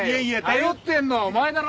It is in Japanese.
頼ってんのはお前だろ！